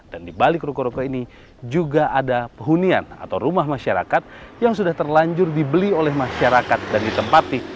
dan di balik ruko ruko ini juga ada hunian atau rumah masyarakat yang sudah terlanjur dibeli oleh masyarakat dan ditempati